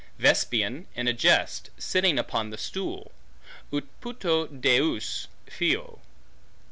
Vespasian in a jest, sitting upon the stool; Ut puto deus fio.